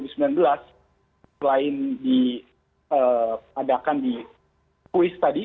selain diadakan di kuis tadi